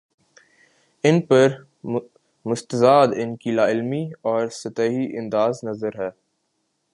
اس پر مستزاد ان کی لا علمی اور سطحی انداز نظر ہے۔